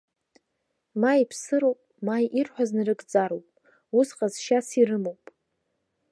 Ма иԥсыроуп, ма ирҳәаз нарыгӡароуп, ус ҟазшьас ирымоуп.